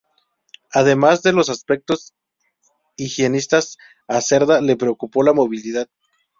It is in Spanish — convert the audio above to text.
Además de los aspectos higienistas a Cerdá le preocupó la movilidad.